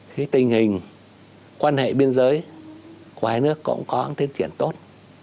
thì tình hình quan hệ biên giới của hai nước cũng có một tiến triển tốt